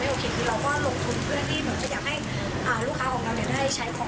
แล้วก็ไม่ได้ทั้งสิ่งที่ลูกค้าอยากใช้ก็อยากใช้เป็นของเราใช่ไหมครับ